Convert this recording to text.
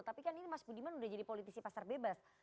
tapi kan ini mas budiman udah jadi politisi pasar bebas